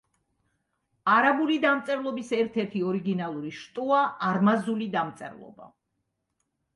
არაბული დამწერლობის ერთ-ერთი ორიგინალური შტოა არმაზული დამწერლობა.